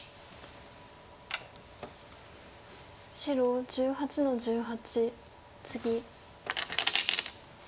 白１８の十八ツギ。